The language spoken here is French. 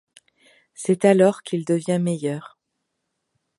C'est alors qu'il devient meilleur.